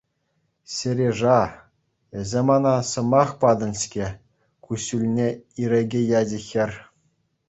Сережа, эсӗ мана сӑмах патӑн-ҫке, — куҫҫульне ирӗке ячӗ хӗр.